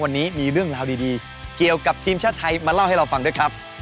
วันนี้มีเรื่องราวดีเกี่ยวกับทีมชาติไทยมาเล่าให้เราฟังด้วยครับ